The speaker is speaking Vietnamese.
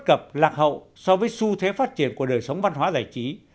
bất cập lạc hậu so với xu thế phát triển của đời sống văn hóa giải trí